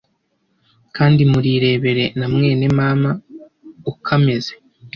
kandi murirebera na mwene mama ukameze.